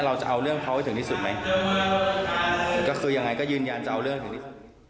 เราจะเอาเรื่องเขาให้ถึงที่สุดไหมก็คือยังไงก็ยืนยันจะเอาเรื่องถึงที่สุด